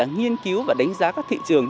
nghiên cứu và đánh giá các thị trường